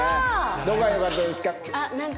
どこがよかったですか？